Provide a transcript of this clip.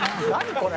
これ」